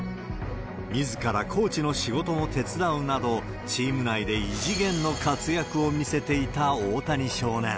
みずからコーチの仕事を手伝うなど、チーム内で異次元の活躍を見せていた大谷少年。